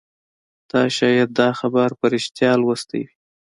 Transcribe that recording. تا شاید دا خبر په ریښتیا لوستی وي